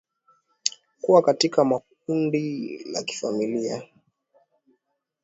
kuwa katika makundi la kifamilia